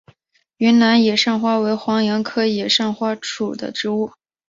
云南野扇花为黄杨科野扇花属的植物。